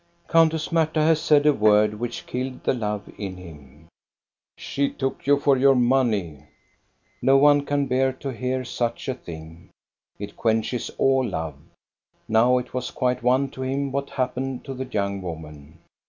Countess Marta has said a word which killed the in him: "She took you for your money." No can bear to hear such a thing. It quenches all love. Now it was quite one to him what happened to the young woman.